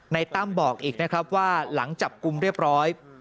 ตั้มบอกอีกนะครับว่าหลังจับกลุ่มเรียบร้อย